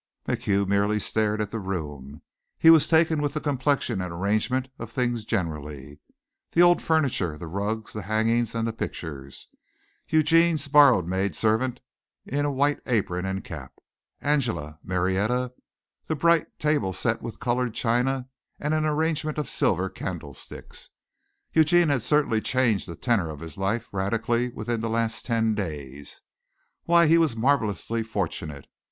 MacHugh merely stared at the room. He was taken with the complexion and arrangement of things generally. The old furniture, the rugs, the hangings, the pictures, Eugene's borrowed maid servant in a white apron and cap, Angela, Marietta, the bright table set with colored china and an arrangement of silver candlesticks Eugene had certainly changed the tenor of his life radically within the last ten days. Why he was marvellously fortunate.